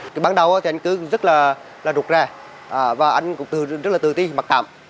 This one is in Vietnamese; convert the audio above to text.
cái bắt đầu thì anh cư rất là rụt ra và anh cũng rất là tự ti mặt cảm